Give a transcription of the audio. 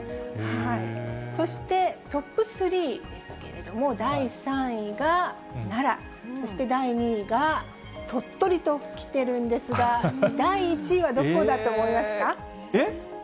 そしてトップ３ですけれども、第３位が奈良、そして第２位が鳥取ときてるんですが、第１位はどこだと思いますえっ？